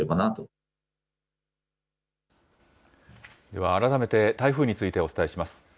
では改めて台風についてお伝えします。